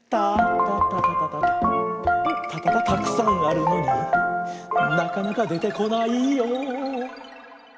たたたたたたたたたくさんあるのになかなかでてこないよ。